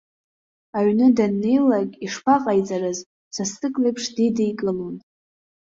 Аҩны даннеилак, ишԥаҟаиҵарыз, сасык леиԥш дидикылон.